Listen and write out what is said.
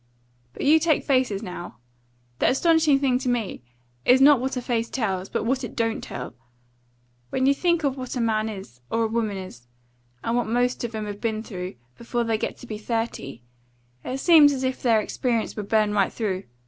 But you take faces now! The astonishing thing to me is not what a face tells, but what it don't tell. When you think of what a man is, or a woman is, and what most of 'em have been through before they get to be thirty, it seems as if their experience would burn right through.